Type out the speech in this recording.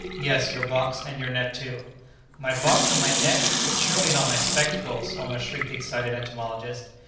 "Yes, your box and your net too!" "My box and my net! but surely not my spectacles!" almost shrieked the excited entomologist.